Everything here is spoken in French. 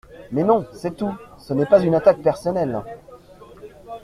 Mais non ! C’est tout ! Ce n’est pas une attaque personnelle.